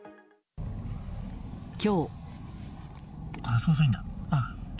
今日。